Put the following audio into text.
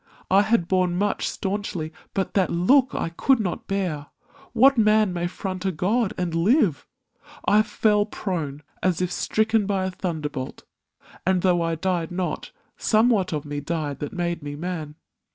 I had borne Much staunchly, but that look I could not bear! What man may front a god and live? I fell Prone, as if stricken by a thunderbolt; And, though I died not, somewhat of me died That made me man.